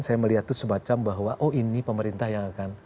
saya melihat semacam bahwa ini pemerintah yang akan